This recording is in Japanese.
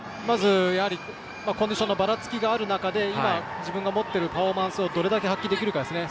コンディションのばらつきがある中で今、自分が持っているパフォーマンスをどれだけ発揮できるかですね。